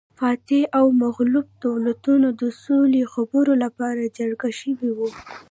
فاتح او مغلوب دولتونه د سولې خبرو لپاره جرګه شوي وو